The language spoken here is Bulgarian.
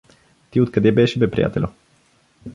— Ти откъде беше бе, приятельо!